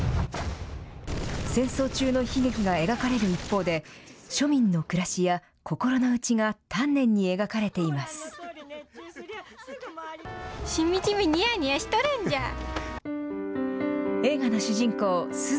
戦争中の悲劇が描かれる一方で、庶民の暮らしや心の内が丹念に描かれています。